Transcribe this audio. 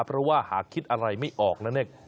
เพราะว่าหากคิดอะไรไม่ออกนะเนี่ย